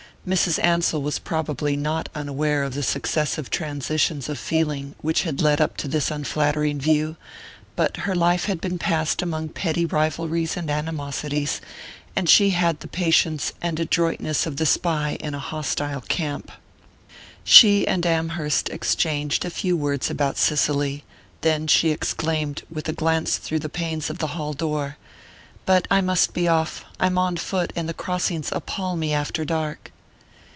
Mrs. Ansell was probably not unaware of the successive transitions of feeling which had led up to this unflattering view; but her life had been passed among petty rivalries and animosities, and she had the patience and adroitness of the spy in a hostile camp. She and Amherst exchanged a few words about Cicely; then she exclaimed, with a glance through the panes of the hall door: "But I must be off I'm on foot, and the crossings appal me after dark."